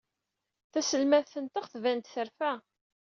Taselmadt-nteɣ tban-d terfa.